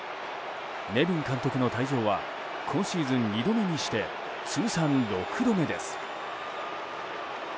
ネビン監督の退場は今シーズン２度目にして通算６度目です。